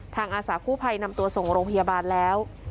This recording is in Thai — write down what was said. อาสากู้ภัยนำตัวส่งโรงพยาบาลแล้ว